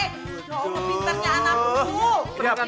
ya allah pintarnya anak bu